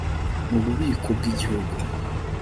mu bubiko bw igihugu